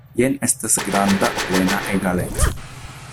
Jen estas granda, plena egaleco.